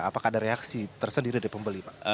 apakah ada reaksi tersendiri dari pembeli pak